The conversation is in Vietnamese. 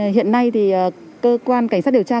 hiện nay thì cơ quan cảnh sát điều tra